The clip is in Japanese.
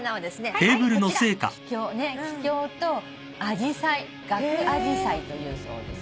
こちらキキョウとアジサイガクアジサイというそうです。